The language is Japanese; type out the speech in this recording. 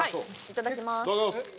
いただきます。